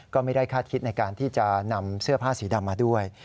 ก็ไม่ได้คาดคิดในการที่จะนำเสื้อผ้าสีดำมาด้วย